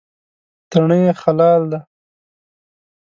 تڼۍ یې خلال ده.